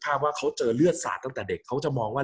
กับการสตรีมเมอร์หรือการทำอะไรอย่างเงี้ย